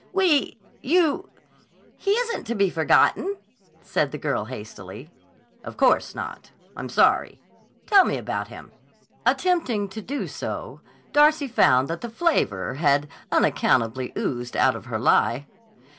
"We—you—he isn't to be forgotten," said the girl hastily. "Of course not. I'm sorry. Tell me about him." Attempting to do so, Darcy found that the flavor had unaccountably oozed out of her lie.